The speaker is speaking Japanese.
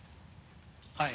はい。